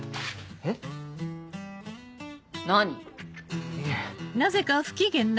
えっ何？